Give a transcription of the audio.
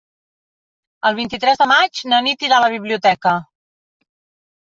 El vint-i-tres de maig na Nit irà a la biblioteca.